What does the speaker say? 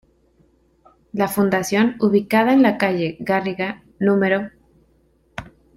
La Fundación, ubicada en la calle Garriga, num.